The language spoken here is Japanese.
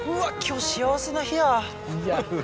今日幸せな日や。